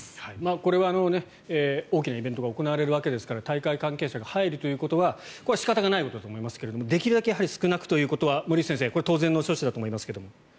これは大きなイベントが行われるわけですから大会関係者が入るということは仕方がないことだと思いますができるだけ少なくということは当然の措置だと思いますけれども。